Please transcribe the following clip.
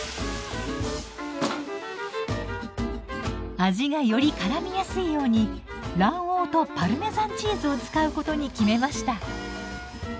味がよりからみやすいように卵黄とパルメザンチーズを使うことに決めました。